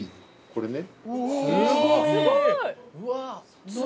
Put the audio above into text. これね。